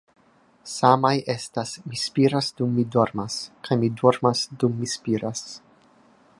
Samaj estas 'Mi spiras dum mi dormas' kaj 'Mi dormas dum mi spiras.'"